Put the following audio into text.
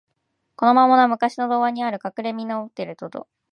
この魔物は、むかしの童話にある、かくれみのを持っているのと同じことでした。